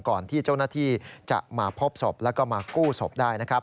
ก่อนที่เจ้าหน้าที่จะมาพบศพแล้วก็มากู้ศพได้นะครับ